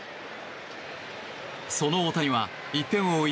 その大谷は１点を追う